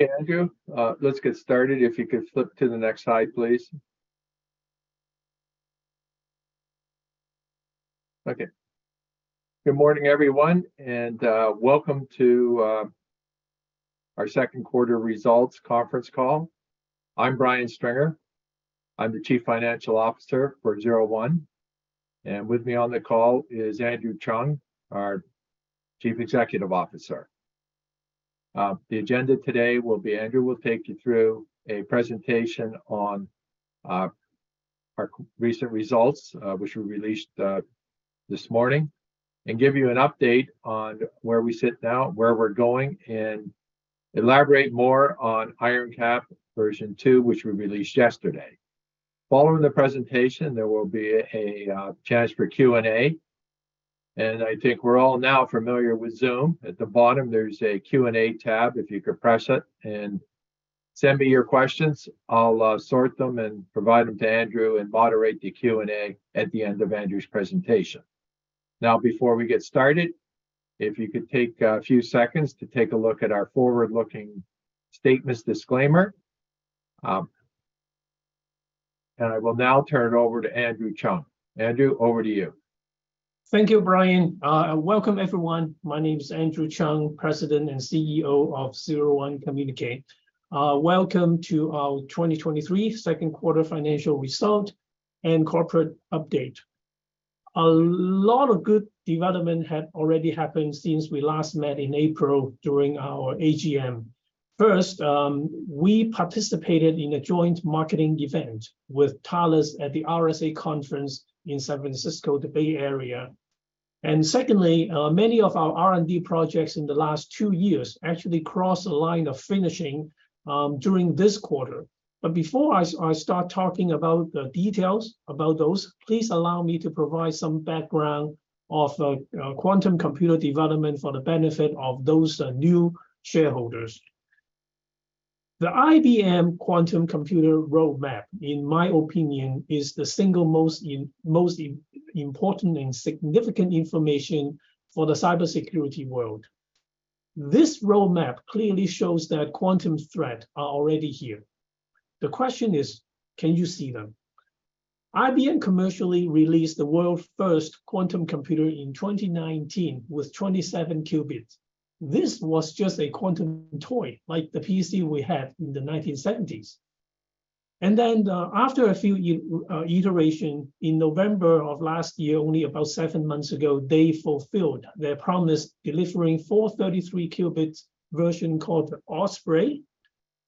Okay, Andrew, let's get started. If you could flip to the next slide, please. Okay. Good morning, everyone, and welcome to our second quarter results conference call. I'm Brian Stringer. I'm the Chief Financial Officer for 01, and with me on the call is Andrew Cheung, our Chief Executive Officer. The agenda today will be Andrew will take you through a presentation on our recent results, which were released this morning, and give you an update on where we sit now, where we're going, and elaborate more on IronCAP v2.0, which we released yesterday. Following the presentation, there will be a chance for Q&A, and I think we're all now familiar with Zoom. At the bottom, there's a Q&A tab. If you could press it and send me your questions, I'll sort them and provide them to Andrew and moderate the Q&A at the end of Andrew's presentation. Before we get started, if you could take a few seconds to take a look at our forward-looking statements disclaimer. I will now turn it over to Andrew Cheung. Andrew, over to you. Thank you, Brian. Welcome everyone. My name is Andrew Cheung, President and CEO of 01 Communique Inc. Welcome to our 2023 second quarter financial result and corporate update. A lot of good development had already happened since we last met in April during our AGM. First, we participated in a joint marketing event with Thales at the RSA Conference in San Francisco, the Bay Area. Secondly, many of our R&D projects in the last two years actually crossed the line of finishing during this quarter. Before I start talking about the details about those, please allow me to provide some background of the quantum computer development for the benefit of those new shareholders. The IBM Quantum Computer Roadmap, in my opinion, is the single most important and significant information for the cybersecurity world. This roadmap clearly shows that quantum threat are already here. The question is: can you see them? IBM commercially released the world's first quantum computer in 2019, with 27 qubits. This was just a quantum toy, like the PC we had in the 1970s. After a few iteration, in November of last year, only about seven months ago, they fulfilled their promise, delivering 433 qubits version called Osprey.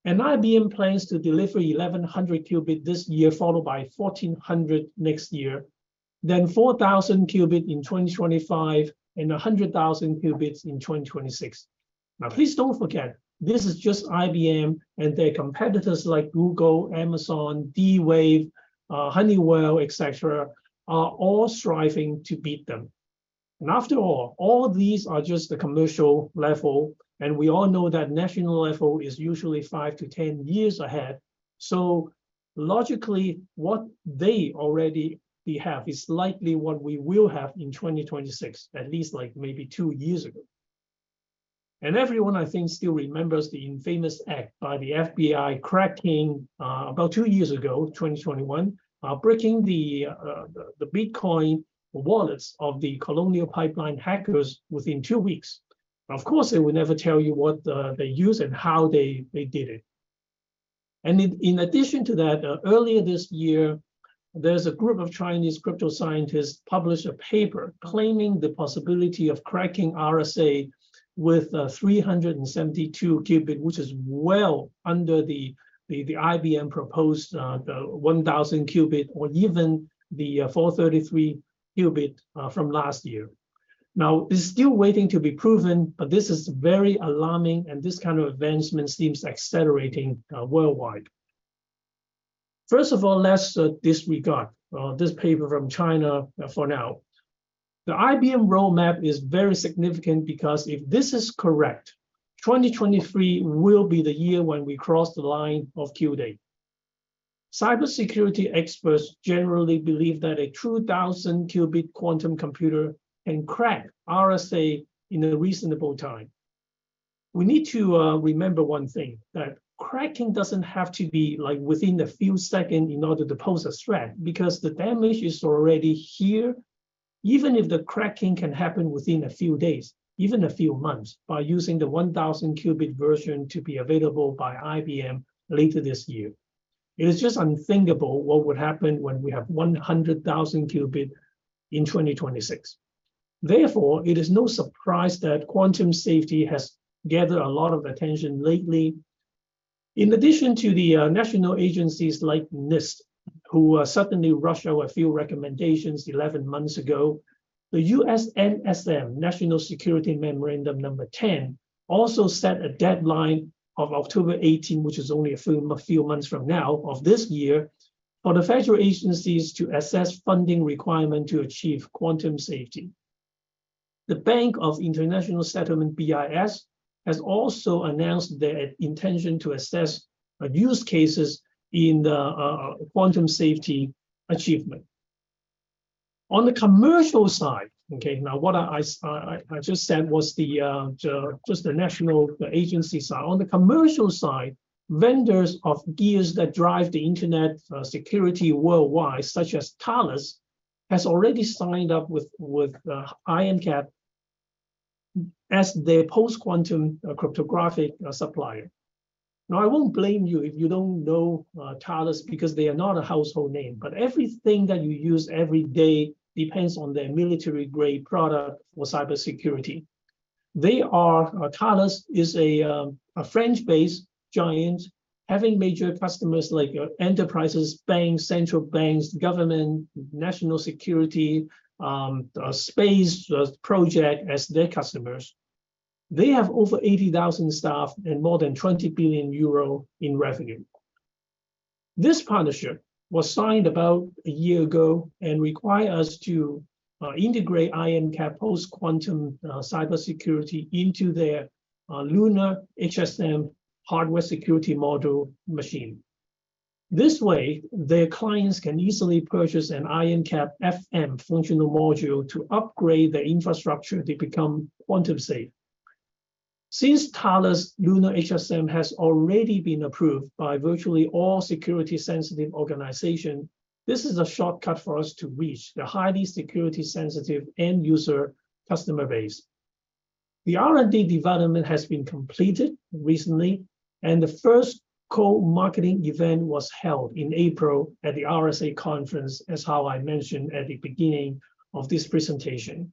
IBM plans to deliver 1,100 qubit this year, followed by 1,400 next year, then 4,000 qubit in 2025, and 100,000 qubits in 2026. Now, please don't forget, this is just IBM and their competitors like Google, Amazon, D-Wave, Honeywell, et cetera, are all striving to beat them. After all these are just the commercial level, and we all know that national level is usually five to 10 years ahead. Logically, what they already have is likely what we will have in 2026, at least, like, maybe two years ago. Everyone, I think, still remembers the infamous act by the FBI cracking, about two years ago, 2021, breaking the Bitcoin wallets of the Colonial Pipeline hackers within two weeks. Of course, they will never tell you what they use and how they did it. In addition to that, earlier this year, there's a group of Chinese crypto scientists published a paper claiming the possibility of cracking RSA with 372 qubit, which is well under the IBM proposed 1,000 qubit or even the 433 qubit from last year. This is still waiting to be proven, but this is very alarming, and this kind of advancement seems accelerating worldwide. First of all, let's disregard this paper from China for now. The IBM roadmap is very significant because if this is correct, 2023 will be the year when we cross the line of Q-day. Cybersecurity experts generally believe that a true 1,000-qubit quantum computer can crack RSA in a reasonable time. We need to remember one thing, that cracking doesn't have to be, like, within a few second in order to pose a threat, because the damage is already here. Even if the cracking can happen within a few days, even a few months, by using the 1,000-qubit version to be available by IBM later this year. It is just unthinkable what would happen when we have 100,000 qubit in 2026. Therefore, it is no surprise that quantum safety has gathered a lot of attention lately. In addition to the national agencies like NIST, who suddenly rushed out a few recommendations 11 months ago, the U.S. NSM-10, National Security Memorandum 10, also set a deadline of October 18, which is only a few months from now, of this year, for the federal agencies to assess funding requirement to achieve quantum safety. The Bank for International Settlements, BIS, has also announced their intention to assess use cases in the quantum safety achievement. On the commercial side, okay, now, what I just said was just the national agency side. On the commercial side, vendors of gears that drive the internet security worldwide, such as Thales, has already signed up with IonQ as their post-quantum cryptographic supplier. I won't blame you if you don't know Thales, because they are not a household name, but everything that you use every day depends on their military-grade product for cybersecurity. Thales is a French-based giant, having major customers like enterprises, banks, central banks, government, national security, space project, as their customers. They have over 80,000 staff and more than 20 billion euro in revenue. This partnership was signed about a year ago and require us to integrate IronCAP post-quantum cybersecurity into their Luna HSM hardware security module machine. This way, their clients can easily purchase an IronCAP FM, functional module, to upgrade their infrastructure to become quantum safe. Since Thales Luna HSM has already been approved by virtually all security-sensitive organization, this is a shortcut for us to reach the highly security sensitive end user customer base. The R&D development has been completed recently, and the first co-marketing event was held in April at the RSA Conference, as how I mentioned at the beginning of this presentation.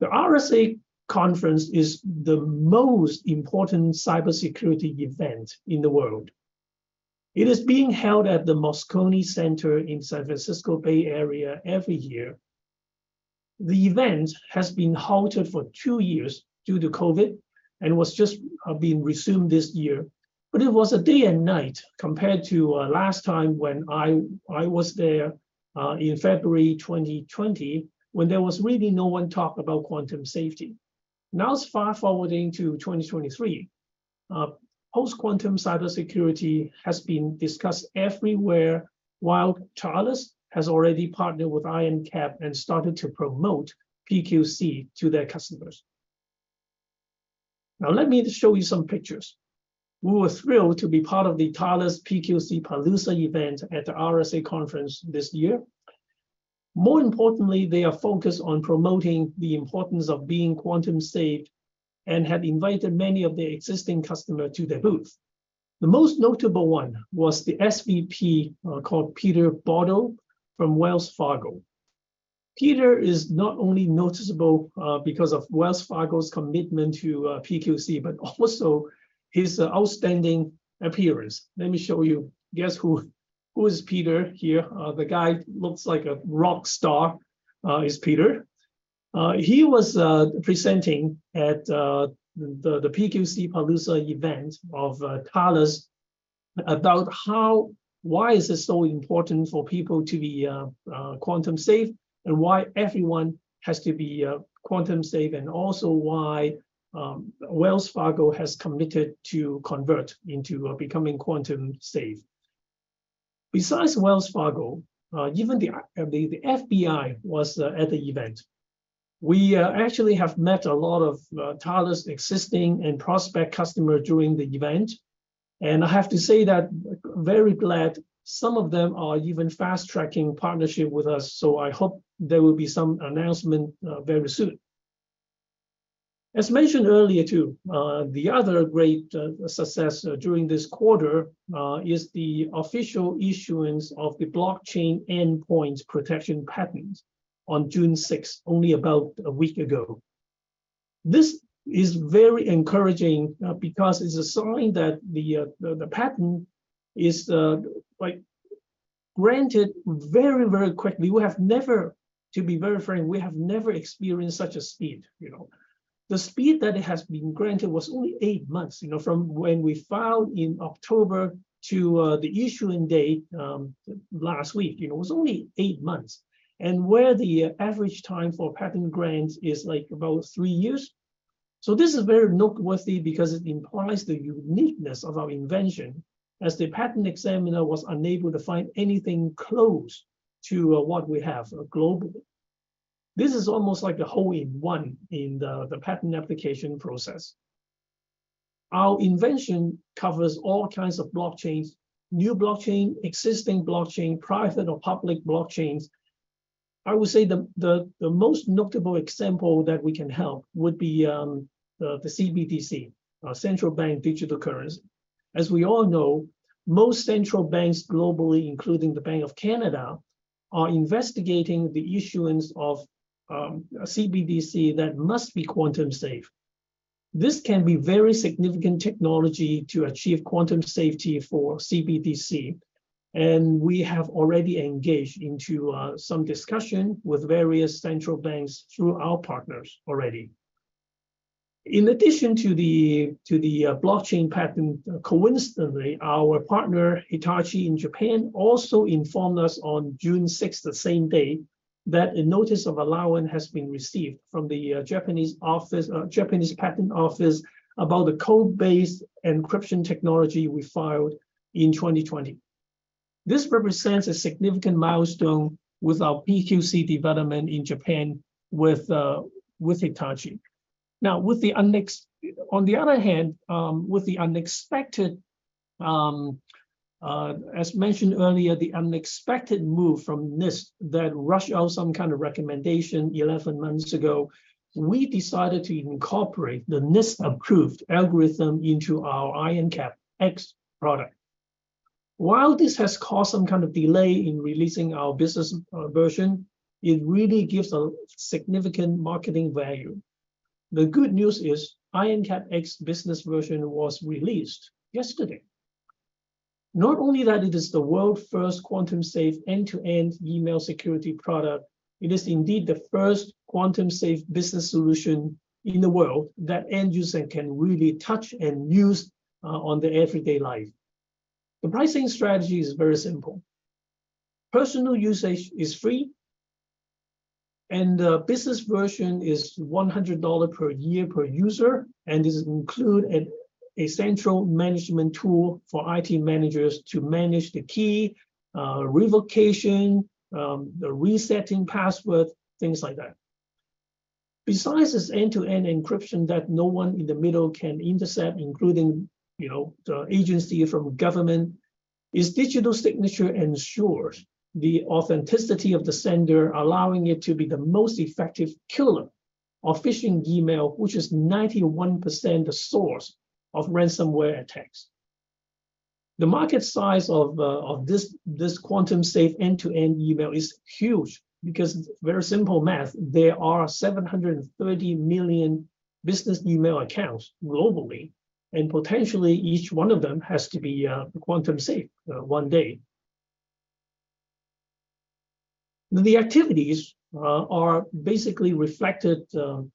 The RSA Conference is the most important cybersecurity event in the world. It is being held at the Moscone Center in San Francisco Bay Area every year. The event has been halted for two years due to COVID, was just being resumed this year. It was a day and night compared to last time when I was there in February 2020, when there was really no one talk about quantum safety. Fast-forwarding to 2023, post-quantum cybersecurity has been discussed everywhere, while Thales has already partnered with IonQ and started to promote PQC to their customers. Let me just show you some pictures. We were thrilled to be part of the Thales PQC Palooza event at the RSA Conference this year. More importantly, they are focused on promoting the importance of being quantum safe and have invited many of their existing customer to their booth. The most notable one was the SVP, called Peter Bordow from Wells Fargo. Peter is not only noticeable because of Wells Fargo's commitment to PQC, but also his outstanding appearance. Let me show you. Guess who? Who is Peter here? The guy who looks like a rock star is Peter. He was presenting at the PQC Palooza event of Thales, about why is it so important for people to be quantum safe, and why everyone has to be quantum safe, and also why Wells Fargo has committed to convert into becoming quantum safe. Besides Wells Fargo, even the FBI was at the event. We actually have met a lot of Thales existing and prospect customer during the event, and I have to say that, very glad some of them are even fast-tracking partnership with us, so I hope there will be some announcement very soon. As mentioned earlier, too, the other great success during this quarter is the official issuance of the blockchain endpoint protection patents on June 6th, only about a week ago. This is very encouraging because it's a sign that the patent is like granted very, very quickly. To be very frank, we have never experienced such a speed. The speed that it has been granted was only eight months, from when we filed in October to the issuing date last week. You know, it was only eight months, where the average time for patent grants is, like, about three years. This is very noteworthy because it implies the uniqueness of our invention, as the patent examiner was unable to find anything close to what we have globally. This is almost like a hole in one in the patent application process. Our invention covers all kinds of blockchains, new blockchain, existing blockchain, private or public blockchains. I would say the most notable example that we can help would be the CBDC, Central Bank Digital Currency. As we all know, most central banks globally, including the Bank of Canada, are investigating the issuance of CBDC that must be quantum safe. This can be very significant technology to achieve quantum safety for CBDC. We have already engaged into some discussion with various central banks through our partners already. In addition to the blockchain patent, coincidentally, our partner, Hitachi in Japan, also informed us on June 6th, the same day, that a notice of allowance has been received from the Japanese office, Japanese Patent Office, about the code-based encryption technology we filed in 2020. This represents a significant milestone with our PQC development in Japan with Hitachi. On the other hand, with the unexpected, as mentioned earlier, the unexpected move from NIST that rushed out some kind of recommendation 11 months ago, we decided to incorporate the NIST-approved algorithm into our IronCAP X product. While this has caused some kind of delay in releasing our business version, it really gives a significant marketing value. The good news is IronCAP X business version was released yesterday. Not only that it is the world first quantum-safe end-to-end email security product, it is indeed the first quantum-safe business solution in the world that end user can really touch and use on their everyday life. The pricing strategy is very simple. Personal usage is free, and the business version is $100 per year per user, and this include a central management tool for IT managers to manage the key revocation, the resetting password, things like that. Besides this end-to-end encryption that no one in the middle can intercept, including the agency from government, its digital signature ensures the authenticity of the sender, allowing it to be the most effective killer of phishing email, which is 91% of the source of ransomware attacks. The market size of this quantum-safe end-to-end email is huge, because very simple math, there are 730 million business email accounts globally, and potentially each one of them has to be quantum safe one day. The activities are basically reflected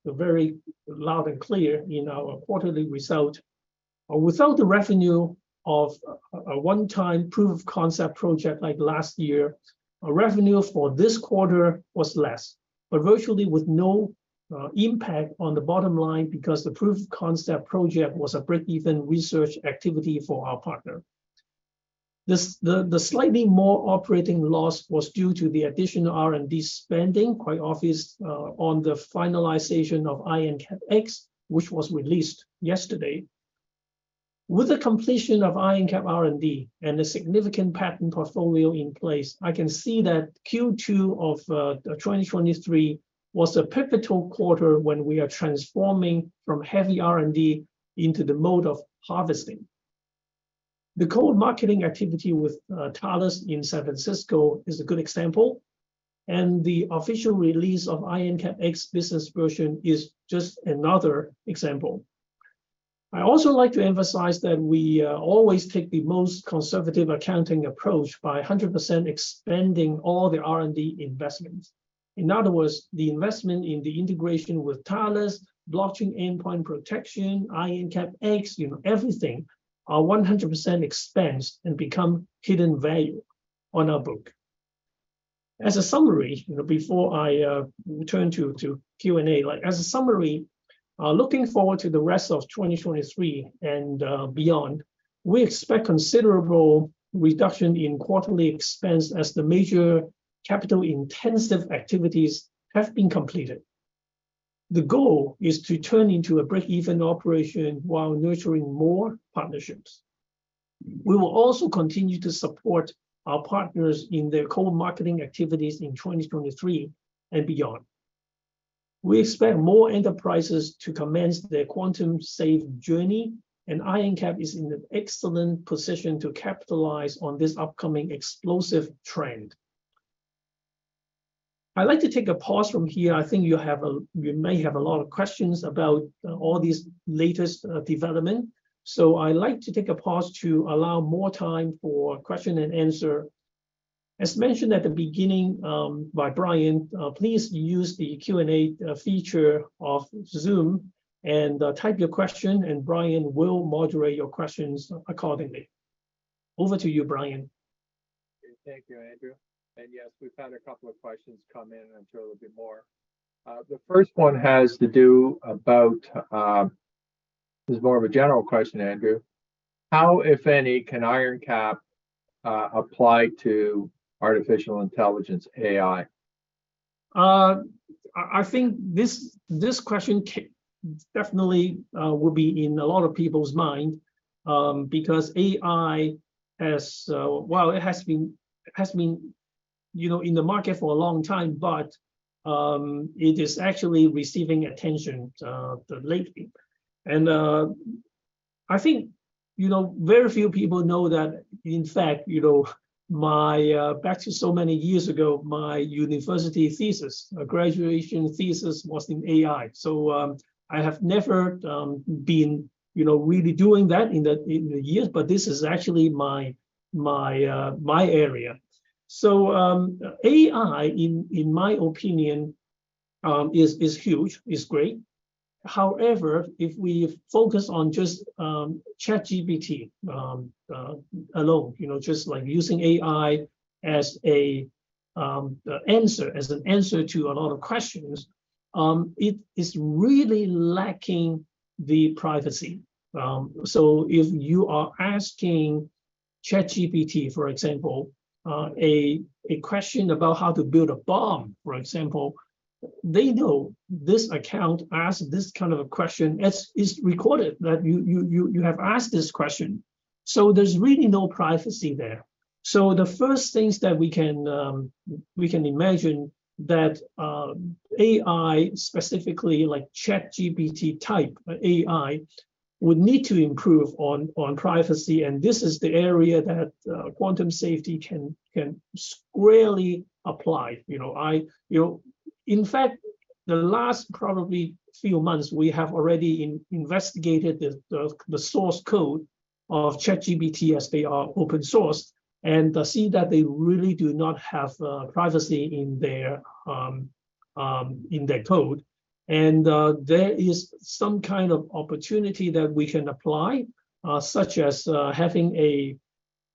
very loud and clear in our quarterly result. Without the revenue of a one-time proof of concept project like last year, our revenue for this quarter was less, but virtually with no impact on the bottom line because the proof of concept project was a break-even research activity for our partner. The slightly more operating loss was due to the additional R&D spending, quite obvious, on the finalization of IronCAP X, which was released yesterday. With the completion of IronCAP R&D and the significant patent portfolio in place, I can see that Q2 of 2023 was a pivotal quarter when we are transforming from heavy R&D into the mode of harvesting. The co-marketing activity with Thales in San Francisco is a good example, and the official release of IronCAP X business version is just another example. I also like to emphasize that we always take the most conservative accounting approach by 100% expending all the R&D investments. In other words, the investment in the integration with Thales, blockchain endpoint protection, IronCAP X, you know, everything, are 100% expensed and become hidden value on our book. As a summary, before I turn to Q&A, like, as a summary, looking forward to the rest of 2023 and beyond, we expect considerable reduction in quarterly expense as the major capital-intensive activities have been completed. The goal is to turn into a break-even operation while nurturing more partnerships. We will also continue to support our partners in their co-marketing activities in 2023 and beyond. We expect more enterprises to commence their quantum-safe journey. IronCAP is in an excellent position to capitalize on this upcoming explosive trend. I'd like to take a pause from here. I think you may have a lot of questions about all these latest development, I'd like to take a pause to allow more time for question and answer. As mentioned at the beginning, by Brian, please use the Q&A feature of Zoom and type your question, and Brian will moderate your questions accordingly. Over to you, Brian. Thank you, Andrew. Yes, we've had a couple of questions come in, and I'm sure there'll be more. This is more of a general question, Andrew. How, if any, can IronCAP apply to artificial intelligence, AI? I think this question definitely will be in a lot of people's mind, because AI has, while it has been in the market for a long time, but it is actually receiving attention lately. I think, very few people know that, in fact, my back to so many years ago, my university thesis, graduation thesis, was in AI. I have never been, really doing that in the years, but this is actually my area. AI, in my opinion, is huge, is great. However, if we focus on just ChatGPT alone, just like using AI as an answer to a lot of questions. It is really lacking the privacy. If you are asking ChatGPT, for example, a question about how to build a bomb, for example, they know this account asked this kind of a question. It's recorded that you have asked this question, so there's really no privacy there. The first things that we can imagine that AI specifically, like ChatGPT type AI, would need to improve on privacy, and this is the area that quantum safety can squarely apply. You know, in fact, the last probably few months, we have already investigated the source code of ChatGPT as they are open sourced, and I see that they really do not have privacy in their code. There is some kind of opportunity that we can apply, such as having a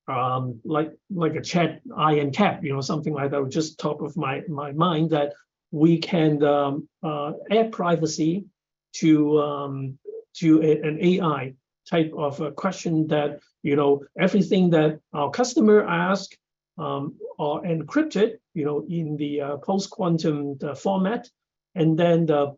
like a chat IronCAP, you know, something like that, just top of my mind, that we can add privacy to an AI type of a question that everything that our customer ask are encrypted in the post-quantum format, and then the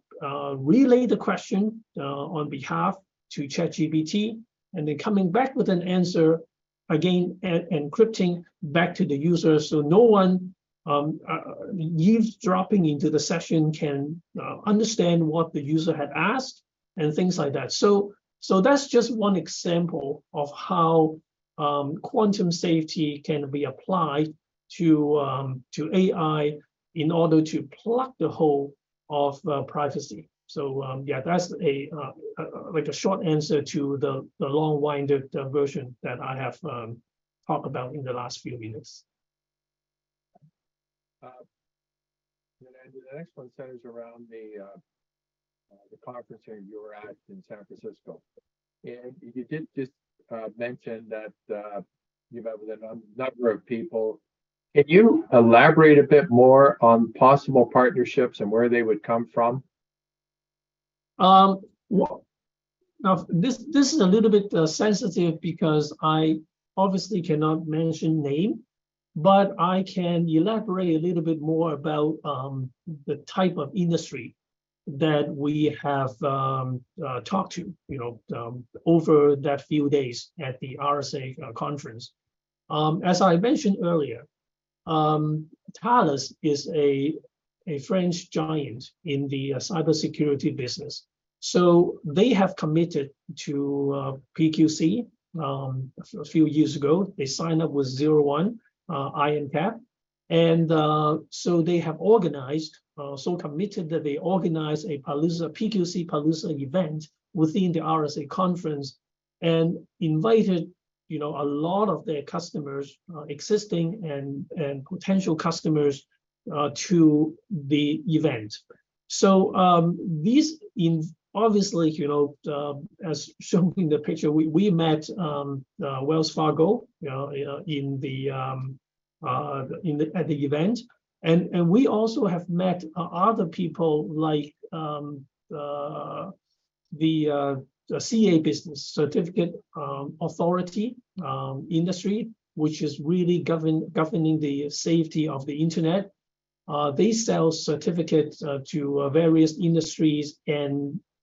relay the question on behalf to ChatGPT, and then coming back with an answer, again, encrypting back to the user. No one eavesdropping into the session can understand what the user had asked and things like that. That's just one example of how quantum safety can be applied to AI in order to plug the hole of privacy. Yeah, that's like a short answer to the long-winded version that I have talked about in the last few minutes. Then the next one centers around the conference that you were at in San Francisco. You did just mention that you met with a number of people. Can you elaborate a bit more on possible partnerships and where they would come from? Now, this is a little bit sensitive because I obviously cannot mention name, but I can elaborate a little bit more about the type of industry that we have talked to over that few days at the RSA Conference. As I mentioned earlier, Thales is a French giant in the cybersecurity business. They have committed to PQC. A few years ago, they signed up with 01, IronCAP, and they have organized so committed that they organize a PQC Palooza event within the RSA Conference, and invited a lot of their customers, existing and potential customers, to the event. Obviously, as shown in the picture, we met Wells Fargo at the event. And we also have met other people, like the CA business, certificate authority industry, which is really governing the safety of the internet.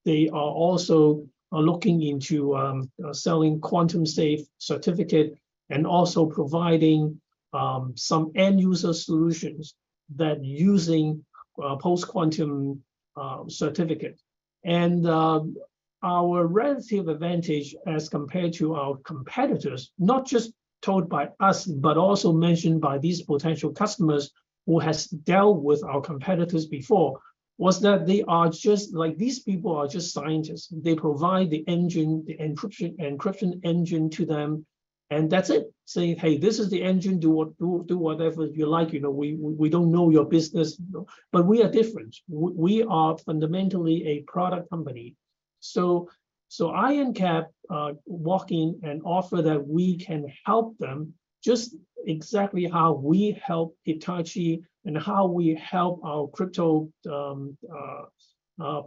They sell certificates to various industries, and they are also looking into selling quantum safe certificate and also providing some end-user solutions that using post-quantum certificate. Our relative advantage as compared to our competitors, not just told by us, but also mentioned by these potential customers who has dealt with our competitors before, was that these people are just scientists. They provide the engine, the encryption engine to them, and that's it. Saying, "Hey, this is the engine, do whatever you like, we don't know your business." We are different. We are fundamentally a product company. IronCAP walk in and offer that we can help them just exactly how we help Hitachi and how we help our crypto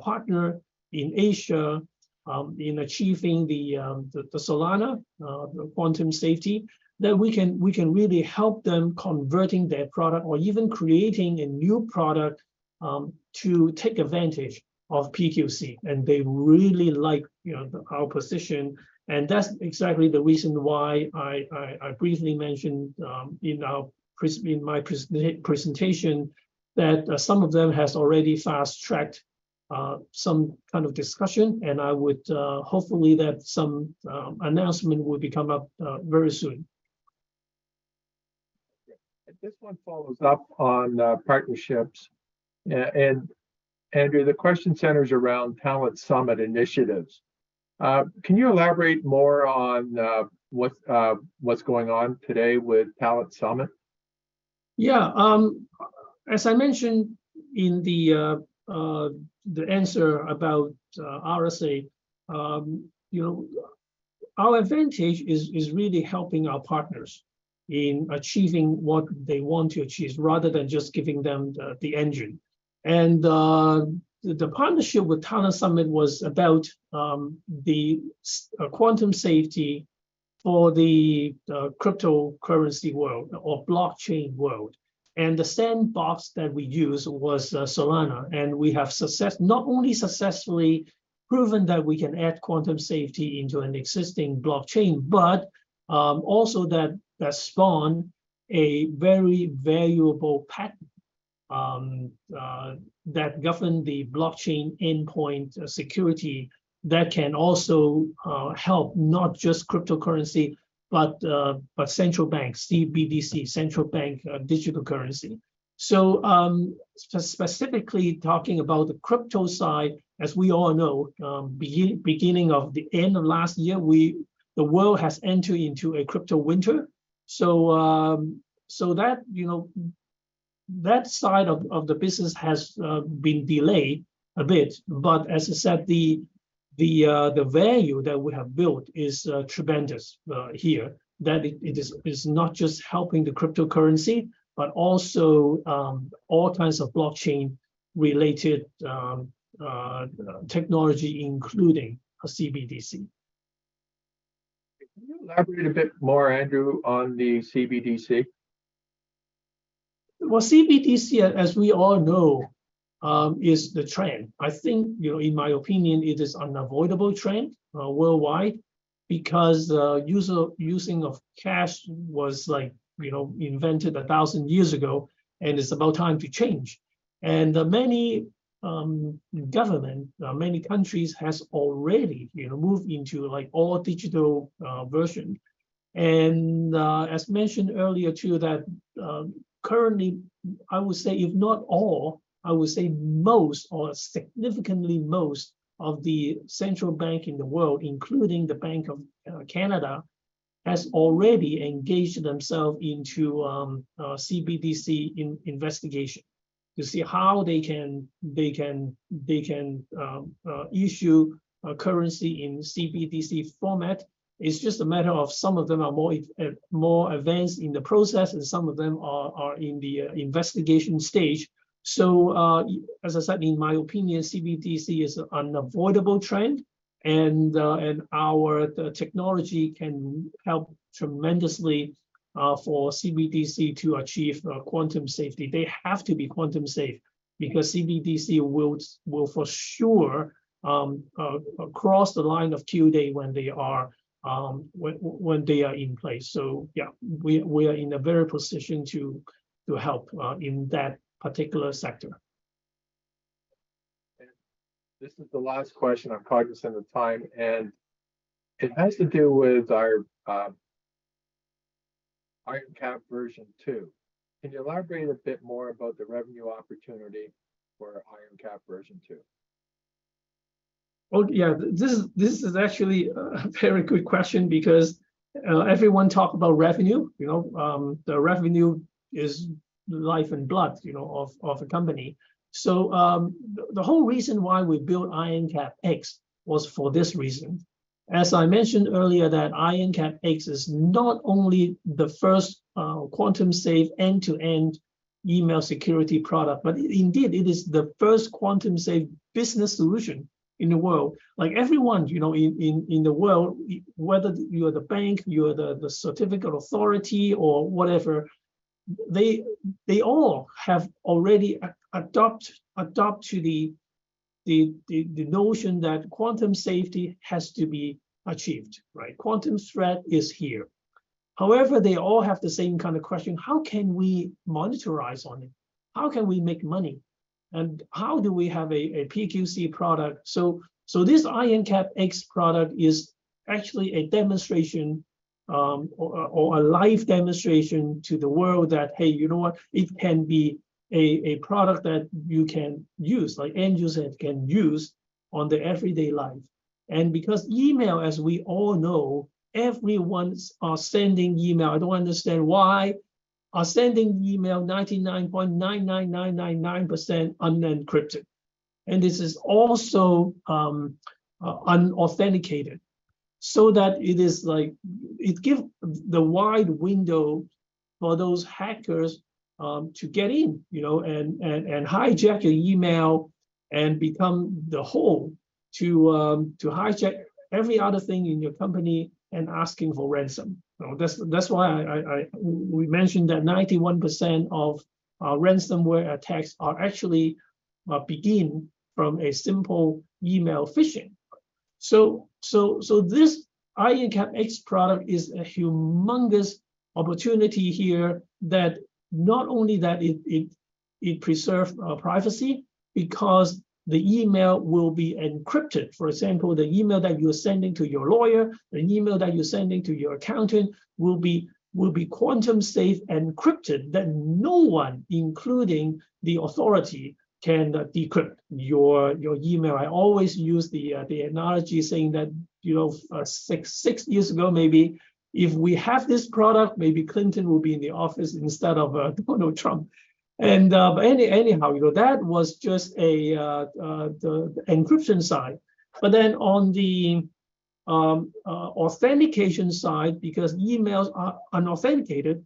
partner in Asia in achieving the Solana quantum safety, that we can really help them converting their product or even creating a new product to take advantage of PQC. They really like our position, and that's exactly the reason why I briefly mentioned in my presentation, that some of them has already fast-tracked some kind of discussion, and I would... Hopefully, that some announcement will be come up very soon. This one follows up on partnerships. Andrew, the question centers around PQC Palooza initiatives. Can you elaborate more on what's going on today with PQC Palooza? Yeah, as I mentioned in the answer about RSA, our advantage is really helping our partners in achieving what they want to achieve, rather than just giving them the engine. The partnership with Thales Summit was about quantum safety for the cryptocurrency world or blockchain world. The sandbox that we used was Solana, and we have not only successfully proven that we can add quantum safety into an existing blockchain, but also that spawn a very valuable patent that govern the blockchain endpoint security, that can also help not just cryptocurrency, but central banks, CBDC, Central Bank Digital Currency. Specifically talking about the crypto side, as we all know, beginning of the end of last year, we, the world has entered into a crypto winter. That side of the business has been delayed a bit. As I said, the value that we have built is tremendous here. That it's not just helping the cryptocurrency, but also, all kinds of blockchain-related technology, including a CBDC. Can you elaborate a bit more, Andrew, on the CBDC? CBDC, as we all know, is the trend. I think, in my opinion, it is unavoidable trend worldwide, because using of cash was like, invented 1,000 years ago, and it's about time to change. Many government, many countries has already moved into, like, all-digital version. As mentioned earlier, too, that currently, I would say if not all, I would say most, or significantly most of the central bank in the world, including the Bank of Canada, has already engaged themselves into CBDC investigation to see how they can issue a currency in CBDC format. It's just a matter of some of them are more advanced in the process, and some of them are in the investigation stage. As I said, in my opinion, CBDC is an unavoidable trend, and the technology can help tremendously for CBDC to achieve quantum safety. They have to be quantum safe, because CBDC will for sure cross the line of Q-Day when they are in place. Yeah, we are in a very position to help in that particular sector. This is the last question. I'm cognizant of time, and it has to do with our IronCAP v2.0. Can you elaborate a bit more about the revenue opportunity for IronCAP v2.0? Well, yeah, this is actually a very good question because everyone talks about revenue. The revenue is life and blood of a company. The whole reason why we built IronCAP X was for this reason. As I mentioned earlier, that IronCAP X is not only the first quantum safe end-to-end email security product, but indeed, it is the first quantum safe business solution in the world. Like everyone in the world, whether you are the bank, you are the certificate authority or whatever, they all have already adopt to the notion that quantum safety has to be achieved, right? Quantum threat is here. They all have the same kind of question: "How can we monetize on it? How can we make money, and how do we have a PQC product? This IronCAP X product is actually a demonstration, or a live demonstration to the world that, hey, you know what? It can be a product that you can use, like, end user can use on their everyday life. Because email, as we all know, everyone's are sending email, I don't understand why, are sending email 99.99999% unencrypted. This is also unauthenticated, so that it is like, it give the wide window for those hackers to get in, and hijack your email and become the hole to hijack every other thing in your company and asking for ransom. You know, that's why we mentioned that 91% of ransomware attacks are actually begin from a simple email phishing. This IronCAP X product is a humongous opportunity here, that not only that it preserve privacy because the email will be encrypted. For example, the email that you're sending to your lawyer, or an email that you're sending to your accountant will be quantum-safe, encrypted, that no one, including the authority, can decrypt your email. I always use the analogy saying that six years ago, maybe, if we have this product, maybe Clinton will be in the office instead of Donald Trump. Anyhow, that was just the encryption side. On the authentication side because emails are unauthenticated.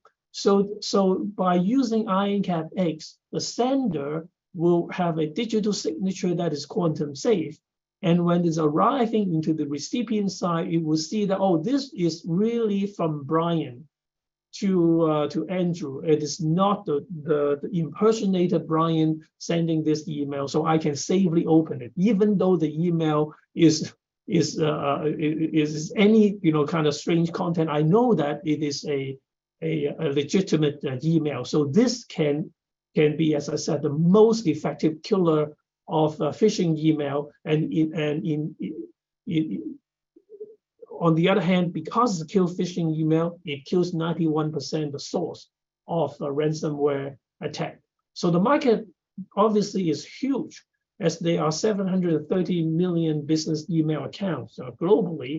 By using IronCAP X, the sender will have a digital signature that is quantum safe, and when it's arriving into the recipient side, it will see that, oh, this is really from Brian to Andrew. It is not the impersonated Brian sending this email, so I can safely open it. Even though the email is any kind of strange content, I know that it is a legitimate email. This can be, as I said, the most effective killer of a phishing email. On the other hand, because it kills phishing email, it kills 91% the source of a ransomware attack. The market obviously is huge, as there are 730 million business email accounts globally.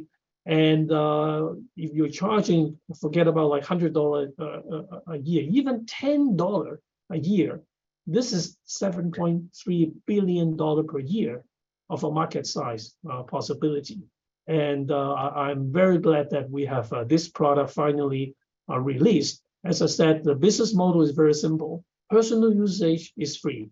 If you're charging, forget about, like, $100 a year, even $10 a year, this is $7.3 billion per year of a market size possibility. I'm very glad that we have this product finally released. As I said, the business model is very simple. Personal usage is free,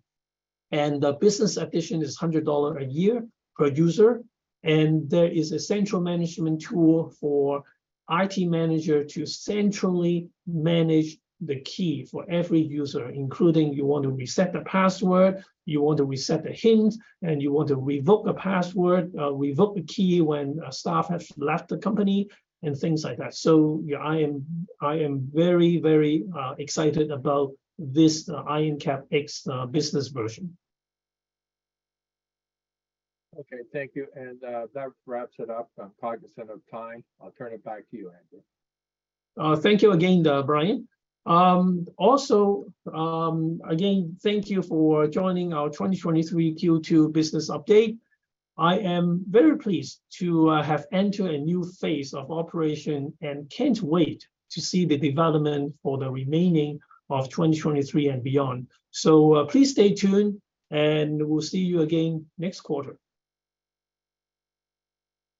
and the business edition is $100 a year per user, and there is a central management tool for IT manager to centrally manage the key for every user, including you want to reset the password, you want to reset the hint, and you want to revoke a password, revoke a key when a staff has left the company, and things like that. Yeah, I am very, very excited about this IronCAP X business version. Okay, thank you, and that wraps it up. I'm cognizant of time. I'll turn it back to you, Andrew. Thank you again, Brian. Also, again, thank you for joining our 2023 Q2 business update. I am very pleased to have entered a new phase of operation and can't wait to see the development for the remaining of 2023 and beyond. Please stay tuned, and we'll see you again next quarter.